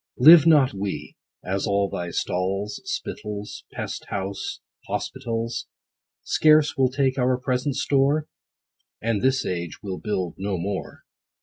Live not we, as all thy stalls, Spittles, pest house, hospitals, Scarce will take our present store ? And this age will build no more.